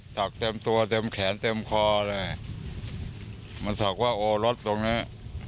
เต็มตัวเต็มแขนเต็มคอเลยมันสักว่าโอ้รถตรงเนี้ย